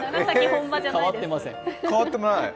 変わってない？